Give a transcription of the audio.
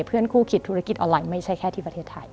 เพื่อนคู่คิดธุรกิจออนไลน์ไม่ใช่แค่ที่ประเทศไทย